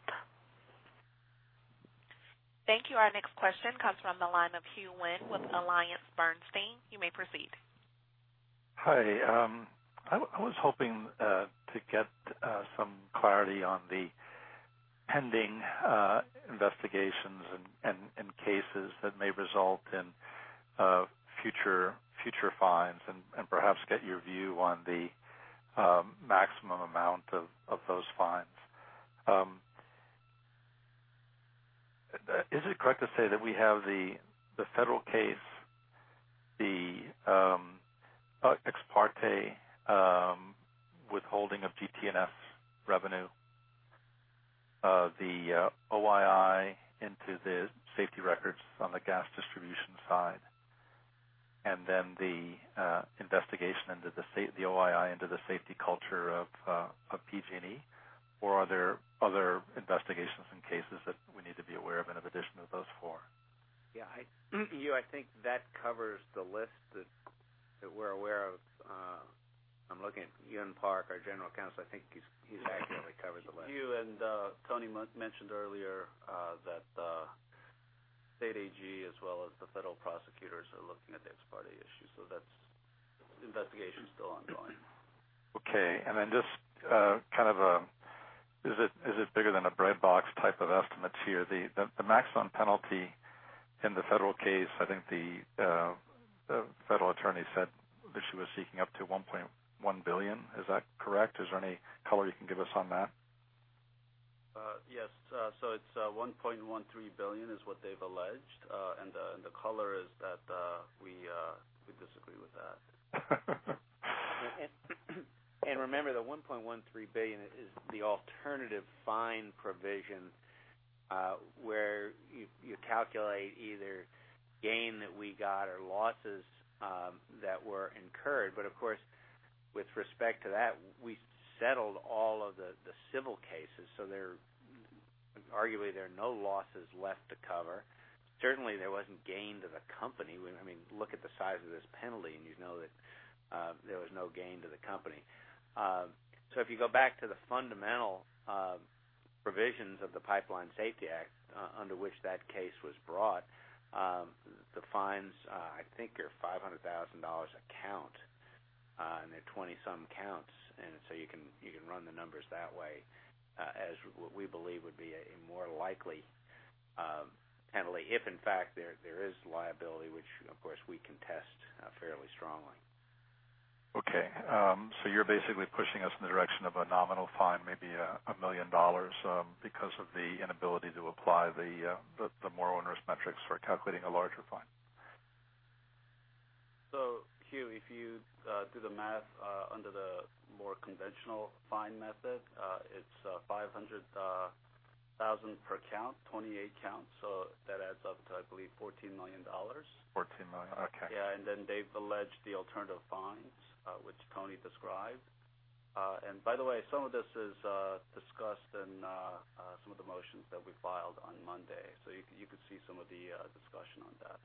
Thank you. Our next question comes from the line of Hugh Wynne with AllianceBernstein. You may proceed. Hi. I was hoping to get some clarity on the pending investigations and cases that may result in future fines. Perhaps get your view on the maximum amount of those fines. Is it correct to say that we have the federal case, the ex parte withholding of GT&S revenue, the OII into the safety records on the gas distribution side, the investigation into the OII into the safety culture of PG&E, or are there other investigations and cases that we need to be aware of in addition to those four? Yeah, Hugh, I think that covers the list that we're aware of. I'm looking at Hyun Park, our general counsel. I think he's accurate that covers the list. Hugh, Tony mentioned earlier that the state AG as well as the federal prosecutors are looking at the ex parte issue, that investigation's still ongoing. Okay. Just kind of a is it bigger than a breadbox type of estimates here? The maximum penalty in the federal case, I think the federal attorney said that she was seeking up to $1.1 billion. Is that correct? Is there any color you can give us on that? Yes. It's $1.13 billion is what they've alleged. The color is that we disagree with that. Remember, the $1.13 billion is the alternative fine provision, where you calculate either gain that we got or losses that were incurred. Of course, with respect to that, we settled all of the civil cases, arguably, there are no losses left to cover. Certainly, there wasn't gain to the company. Look at the size of this penalty and you'd know that there was no gain to the company. If you go back to the fundamental provisions of the Pipeline Safety Act under which that case was brought, the fines, I think, are $500,000 a count, there are 20-some counts. You can run the numbers that way, as what we believe would be a more likely penalty if in fact there is liability, which of course we contest fairly strongly. Okay, you're basically pushing us in the direction of a nominal fine, maybe $1 million because of the inability to apply the more onerous metrics for calculating a larger fine. Hugh, if you do the math under the more conventional fine method, it's $500,000 per count, 28 counts, that adds up to, I believe, $14 million. $14 million? Okay. Yeah, then they've alleged the alternative fines, which Tony described. By the way, some of this is discussed in some of the motions that we filed on Monday. You could see some of the discussion on that.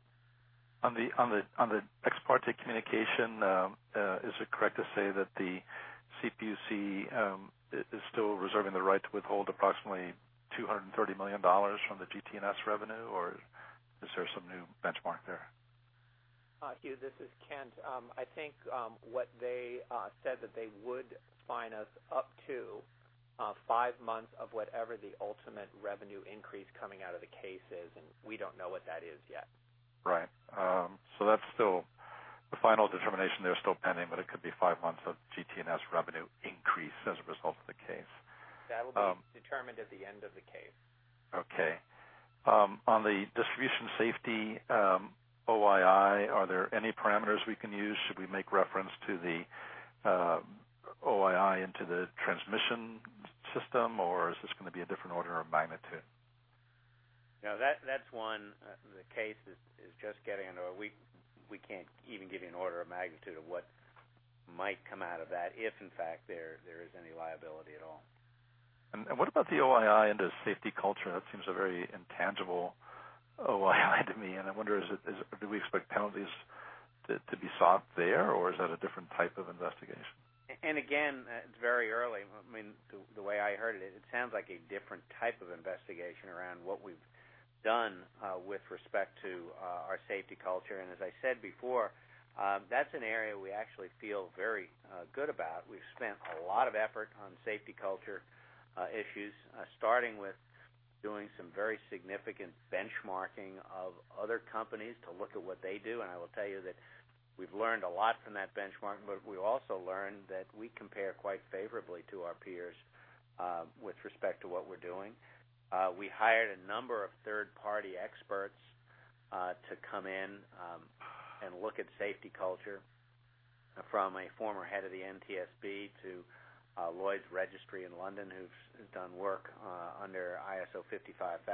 On the ex parte communication, is it correct to say that the CPUC is still reserving the right to withhold approximately $230 million from the GT&S revenue, or is there some new benchmark there? Hugh, this is Kent. I think what they said that they would fine us up to five months of whatever the ultimate revenue increase coming out of the case is. We don't know what that is yet. Right. The final determination there is still pending, but it could be five months of GT&S revenue increase as a result of the case. That'll be determined at the end of the case. Okay. On the distribution safety OII, are there any parameters we can use? Should we make reference to the OII into the transmission system, or is this going to be a different order of magnitude? No, that's one the case is just getting into. We can't even give you an order of magnitude of what might come out of that if in fact there is any liability at all. What about the OII into safety culture? That seems a very intangible OII to me, and I wonder, do we expect penalties to be sought there, or is that a different type of investigation? Again, it's very early. The way I heard it sounds like a different type of investigation around what we've done with respect to our safety culture. As I said before, that's an area we actually feel very good about. We've spent a lot of effort on safety culture issues, starting with doing some very significant benchmarking of other companies to look at what they do. I will tell you that we've learned a lot from that benchmark, but we also learned that we compare quite favorably to our peers with respect to what we're doing. We hired a number of third-party experts to come in and look at safety culture from a former head of the NTSB to Lloyd's Register in London, who's done work under ISO 55000.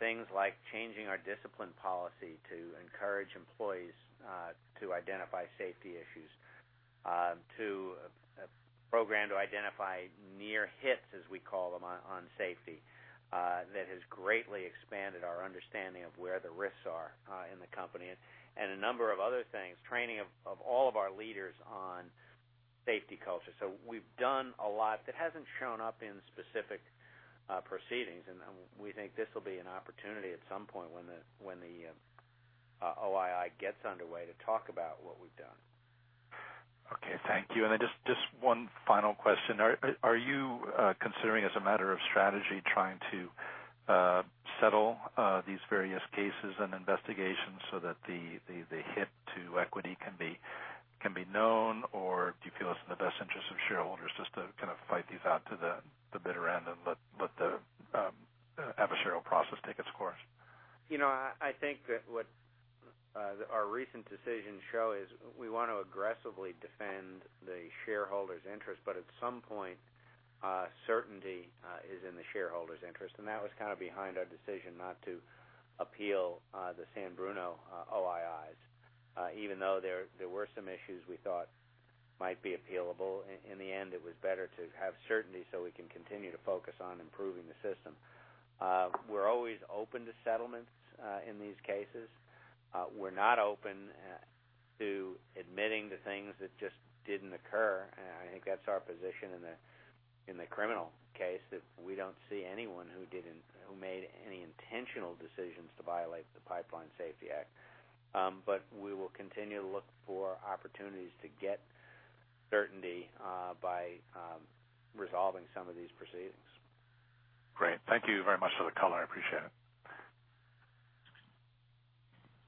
Things like changing our discipline policy to encourage employees to identify safety issues to a program to identify near hits, as we call them, on safety that has greatly expanded our understanding of where the risks are in the company and a number of other things. Training of all of our leaders on Safety culture. We've done a lot that hasn't shown up in specific proceedings, and we think this will be an opportunity at some point when the OII gets underway to talk about what we've done. Okay. Thank you. Just one final question. Are you considering, as a matter of strategy, trying to settle these various cases and investigations so that the hit to equity can be known? Or do you feel it's in the best interest of shareholders just to kind of fight these out to the bitter end and let the adversarial process take its course? I think that what our recent decisions show is we want to aggressively defend the shareholders' interest, at some point, certainty is in the shareholders' interest. That was kind of behind our decision not to appeal the San Bruno OIIs even though there were some issues we thought might be appealable. In the end, it was better to have certainty so we can continue to focus on improving the system. We're always open to settlements in these cases. We're not open to admitting to things that just didn't occur. I think that's our position in the criminal case, that we don't see anyone who made any intentional decisions to violate the Pipeline Safety Act. We will continue to look for opportunities to get certainty by resolving some of these proceedings. Great. Thank you very much for the color. I appreciate it.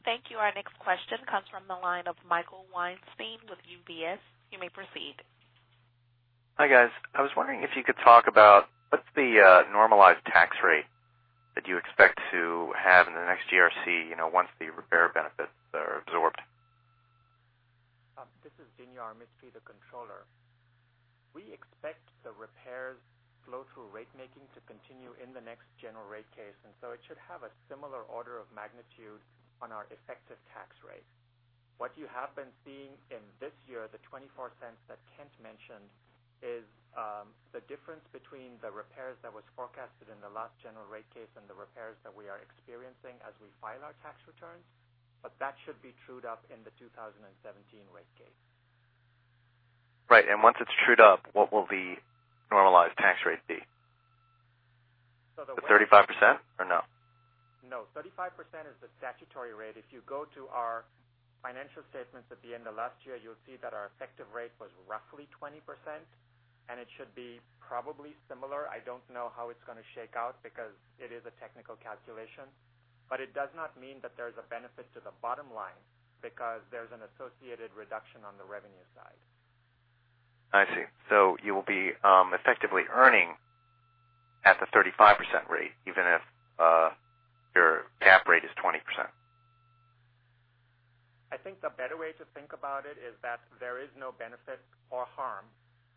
Thank you. Our next question comes from the line of Michael Weinstein with UBS. You may proceed. Hi, guys. I was wondering if you could talk about what's the normalized tax rate that you expect to have in the next GRC, once the repair benefits are absorbed? This is Dinyar Mistry, the controller. We expect the repairs flow through rate making to continue in the next general rate case. It should have a similar order of magnitude on our effective tax rate. What you have been seeing in this year, the $0.24 that Kent mentioned, is the difference between the repairs that was forecasted in the last general rate case and the repairs that we are experiencing as we file our tax returns. That should be trued up in the 2017 rate case. Right. Once it's trued up, what will the normalized tax rate be? So the way- 35% or no? No, 35% is the statutory rate. If you go to our financial statements at the end of last year, you'll see that our effective rate was roughly 20%, and it should be probably similar. I don't know how it's going to shake out because it is a technical calculation, but it does not mean that there's a benefit to the bottom line because there's an associated reduction on the revenue side. I see. You will be effectively earning at the 35% rate even if your cap rate is 20%. I think the better way to think about it is that there is no benefit or harm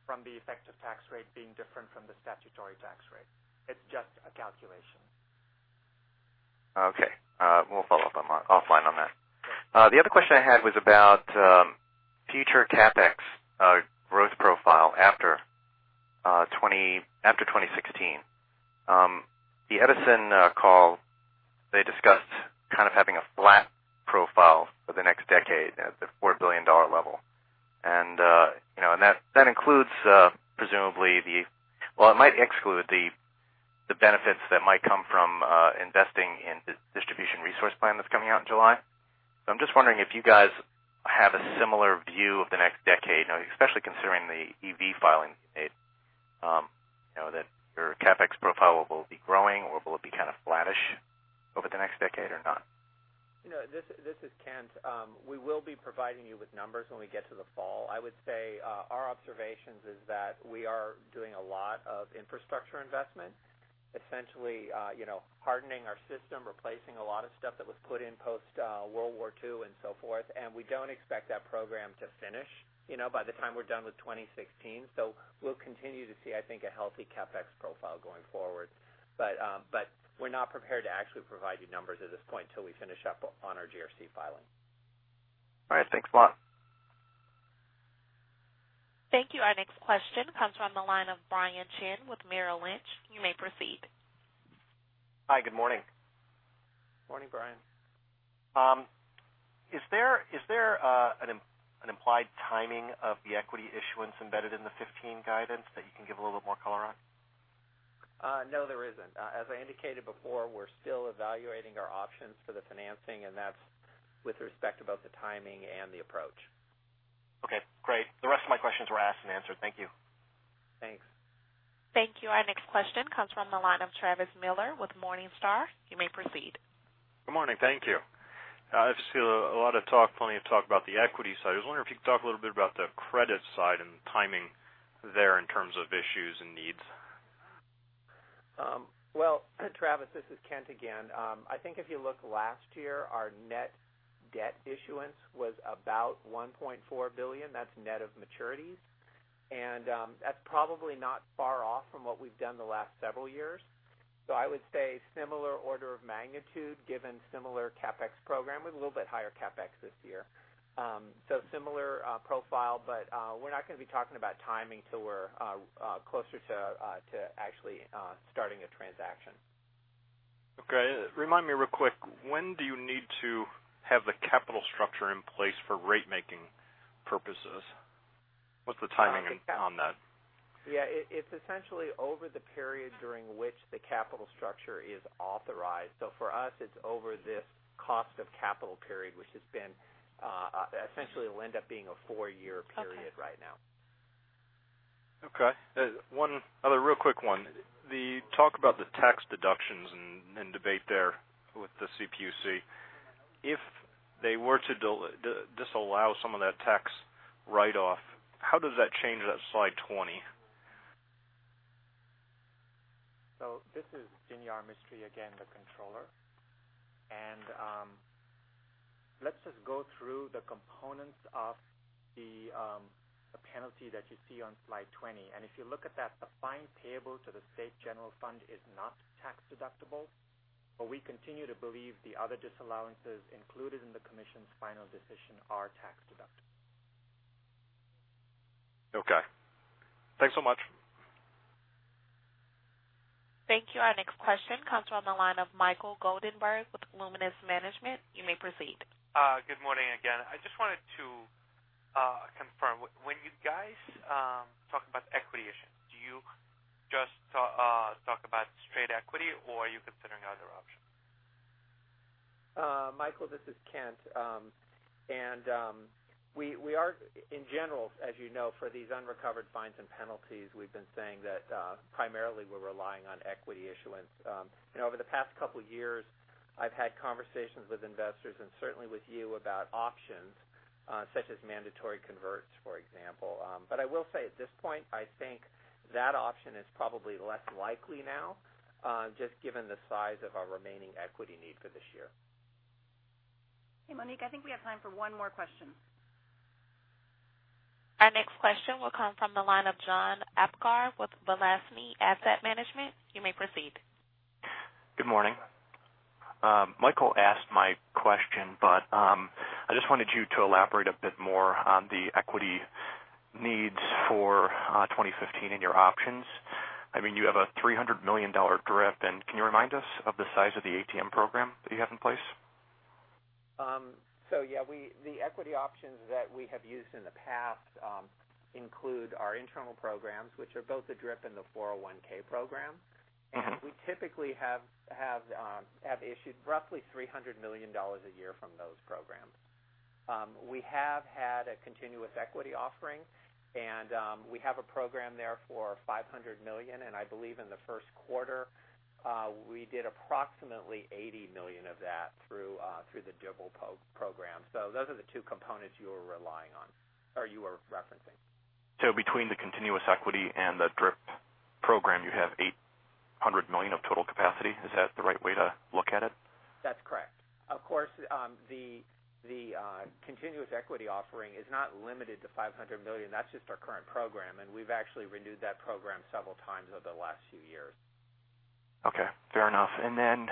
from the effective tax rate being different from the statutory tax rate. It's just a calculation. Okay. We'll follow up offline on that. Sure. The other question I had was about future CapEx growth profile after 2016. The Edison call, they discussed kind of having a flat profile for the next decade at the $4 billion level. That includes presumably the, well, it might exclude the benefits that might come from investing in Distribution Resource Plan that's coming out in July. I'm just wondering if you guys have a similar view of the next decade, especially considering the EV filing you made, that your CapEx profile will be growing or will it be kind of flattish over the next decade or not? This is Kent. We will be providing you with numbers when we get to the fall. I would say our observations is that we are doing a lot of infrastructure investment, essentially hardening our system, replacing a lot of stuff that was put in post-World War II and so forth, We don't expect that program to finish by the time we're done with 2016. We'll continue to see, I think, a healthy CapEx profile going forward. We're not prepared to actually provide you numbers at this point till we finish up on our GRC filing. All right. Thanks a lot. Thank you. Our next question comes from the line of Brian Chin with Merrill Lynch. You may proceed. Hi. Good morning. Morning, Brian. Is there an implied timing of the equity issuance embedded in the '15 guidance that you can give a little bit more color on? No, there isn't. As I indicated before, we're still evaluating our options for the financing. That's with respect to both the timing and the approach. Okay, great. The rest of my questions were asked and answered. Thank you. Thanks. Thank you. Our next question comes from the line of Travis Miller with Morningstar. You may proceed. Good morning. Thank you. I've seen plenty of talk about the equity side. I was wondering if you could talk a little bit about the credit side and timing there in terms of issues and needs. Well, Travis, this is Kent again. I think if you look last year, our net debt issuance was about $1.4 billion. That's net of maturities. That's probably not far off from what we've done the last several years. I would say similar order of magnitude given similar CapEx program with a little bit higher CapEx this year. Similar profile, but we're not going to be talking about timing till we're closer to actually starting a transaction. Okay. Remind me real quick, when do you need to have the capital structure in place for rate making purposes? What's the timing on that? It's essentially over the period during which the capital structure is authorized. For us, it's over this cost of capital period, which has been, essentially it will end up being a four-year period right now. One other real quick one. The talk about the tax deductions and debate there with the CPUC, if they were to disallow some of that tax write-off, how does that change that slide 20? This is Dinyar Mistry again, the Controller. Let's just go through the components of the penalty that you see on slide 20. If you look at that, the fine payable to the state general fund is not tax-deductible, we continue to believe the other disallowances included in the commission's final decision are tax-deductible. Thanks so much. Thank you. Our next question comes from the line of Michael Goldenberg with Luminus Management. You may proceed. Good morning again. I just wanted to confirm, when you guys talk about equity issues, do you just talk about straight equity or are you considering other options? Michael, this is Kent. We are in general, as you know, for these unrecovered fines and penalties, we've been saying that primarily we're relying on equity issuance. Over the past couple of years, I've had conversations with investors and certainly with you about options such as mandatory converts, for example. I will say at this point, I think that option is probably less likely now, just given the size of our remaining equity need for this year. Hey, Monique, I think we have time for one more question. Our next question will come from the line of John Apgar with Balyasny Asset Management. You may proceed. Good morning. Michael asked my question, I just wanted you to elaborate a bit more on the equity needs for 2015 and your options. You have a $300 million DRIP, can you remind us of the size of the ATM program that you have in place? Yeah, the equity options that we have used in the past include our internal programs, which are both the DRIP and the 401 program. We typically have issued roughly $300 million a year from those programs. We have had a continuous equity offering, we have a program there for $500 million, I believe in the first quarter, we did approximately $80 million of that through the DRIP program. Those are the two components you are relying on or you are referencing. Between the continuous equity and the DRIP program, you have $800 million of total capacity. Is that the right way to look at it? That's correct. Of course, the continuous equity offering is not limited to $500 million. That's just our current program, and we've actually renewed that program several times over the last few years. Okay, fair enough. Then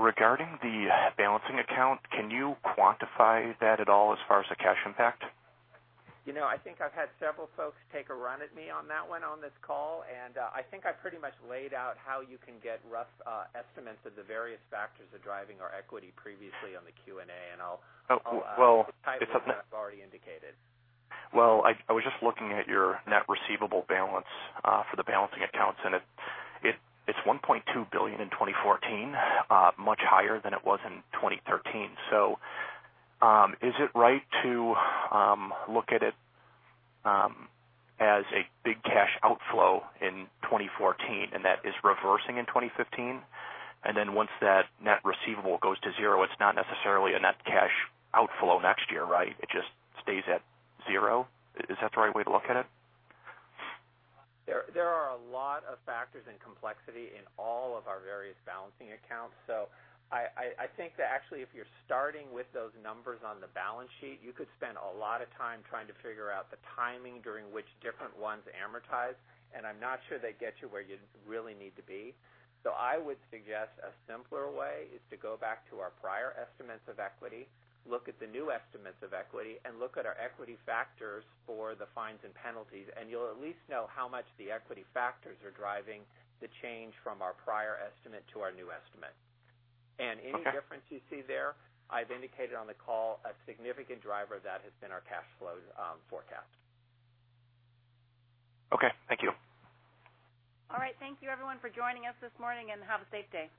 regarding the balancing account, can you quantify that at all as far as the cash impact? I think I've had several folks take a run at me on that one on this call, and I think I pretty much laid out how you can get rough estimates of the various factors driving our equity previously on the Q&A. Well- I've already indicated. I was just looking at your net receivable balance for the balancing accounts, and it's $1.2 billion in 2014, much higher than it was in 2013. Is it right to look at it as a big cash outflow in 2014 and that is reversing in 2015? Once that net receivable goes to zero, it's not necessarily a net cash outflow next year, right? It just stays at zero. Is that the right way to look at it? There are a lot of factors and complexity in all of our various balancing accounts. I think that actually if you're starting with those numbers on the balance sheet, you could spend a lot of time trying to figure out the timing during which different ones amortize, and I'm not sure they get you where you really need to be. I would suggest a simpler way is to go back to our prior estimates of equity, look at the new estimates of equity, and look at our equity factors for the fines and penalties, and you'll at least know how much the equity factors are driving the change from our prior estimate to our new estimate. Okay. Any difference you see there, I've indicated on the call a significant driver that has been our cash flow forecast. Okay. Thank you. All right. Thank you everyone for joining us this morning, and have a safe day.